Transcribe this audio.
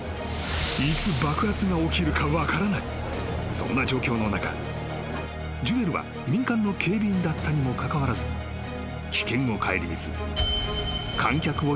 ［そんな状況の中ジュエルは民間の警備員だったにもかかわらず危険を顧みず］